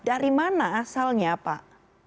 dari mana asalnya pak